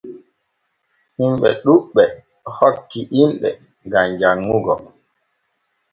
Himɓe ɗuɓɓe hokki inɗe gam janŋugo.